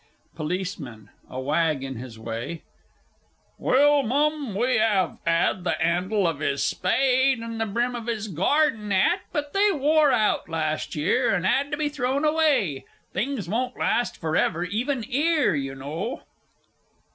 POLICEMAN (a wag in his way). Well, Mum, we 'ave 'ad the 'andle of his spade, and the brim of his garden 'at, but they wore out last year and 'ad to be thrown away things won't last for ever even 'ere, you know.